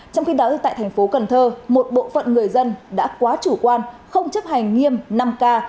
trong khi đó tại thành phố cần thơ một bộ phận người dân đã quá chủ quan không chấp hành nghiêm năm k